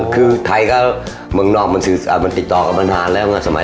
คือไทยก็เมืองนอกมันติดต่อกับมันนานแล้วไงสมัย